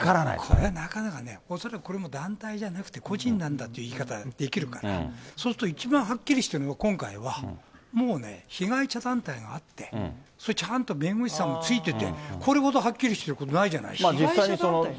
これなかなかね、恐らくこれも団体じゃなくて、個人なんだという言い方できるから、そうすると一番はっきりしてるのは、今回はもうね、被害者団体があって、それちゃんと弁護士さんもついてて、これほどはっきりしてることないじゃないですか。